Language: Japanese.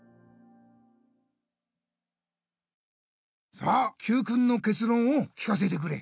さあＱくんのけつろんを聞かせてくれ。